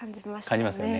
感じますよね。